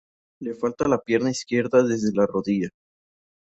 Le falta la pierna izquierda desde la rodilla.